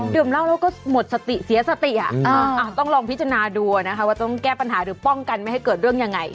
เหล้าแล้วก็หมดสติเสียสติต้องลองพิจารณาดูนะคะว่าต้องแก้ปัญหาหรือป้องกันไม่ให้เกิดเรื่องยังไง